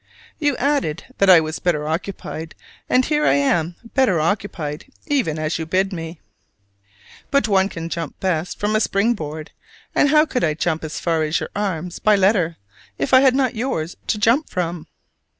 You added that I was better occupied and here I am "better occupied" even as you bid me. But one can jump best from a spring board: and how could I jump as far as your arms by letter, if I had not yours to jump from?